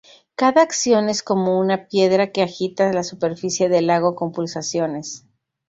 Cada acción es como una piedra que agita la superficie del lago con pulsaciones.